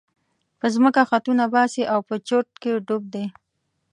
په ځمکه خطونه باسي او په چورت کې ډوب دی.